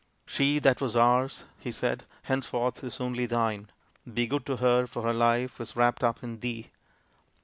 " She that was ours," he said, " henceforth is only thine. Be good to her for her life is wrapped up in thee."